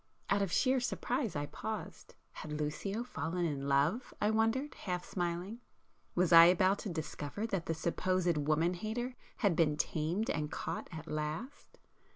Out of sheer surprise I paused,—had Lucio fallen in love, I wondered, half smiling?—was I about to discover that the supposed 'woman hater' had been tamed and caught at last?